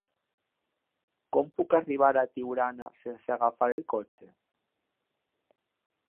Com puc arribar a Tiurana sense agafar el cotxe?